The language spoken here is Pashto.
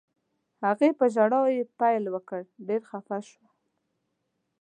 هغې په ژړا یې پیل وکړ، ډېره خفه شوه.